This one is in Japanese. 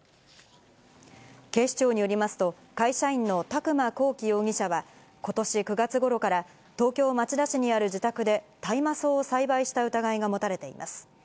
警視庁によりますと、会社員の宅間孔貴容疑者は、ことし９月ごろから東京・町田市にある自宅で、大麻草を栽培した疑いが持たれています。